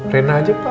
rena aja paham